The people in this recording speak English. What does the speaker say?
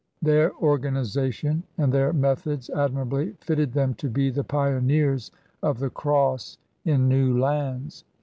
Their organization and their methods admirably fitted them to be the pioneers of the Cross in new lands.